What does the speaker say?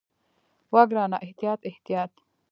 وه ګرانه احتياط احتياط.